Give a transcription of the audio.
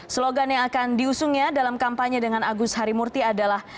slogan yang akan diusungnya dalam kampanye dengan agus harimurti adalah